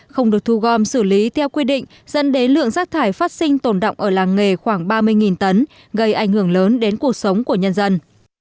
không được thu gom xử lý theo quy định dẫn đến lượng rác thải phát sinh tồn động ở làng nghề khoảng ba mươi tấn gây ảnh hưởng lớn đến cuộc sống của nhân dân